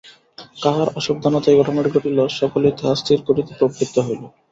কাহার অসাবধানতায় এই ঘটনাটি ঘটিল, সকলেই তাহা স্থির করিতে প্রবৃত্ত হইল।